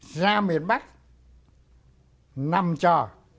ra miền bắc nằm trò